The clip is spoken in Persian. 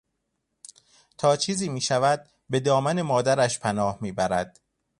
تا چیزی میشود به دامن مادرش پناه میبرد.